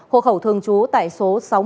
hộ khẩu thường trú tại số sáu mươi